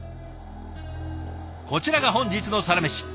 こちらが本日のサラメシ。